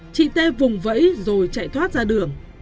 chị t vùng vẫy rồi chạy thoát ra đường